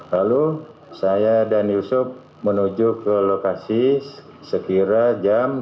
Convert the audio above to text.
lalu saya dan yusuf menuju ke lokasi sekira jam dua belas siang